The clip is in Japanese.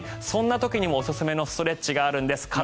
そんな時にもおすすめのストレッチがあるんです。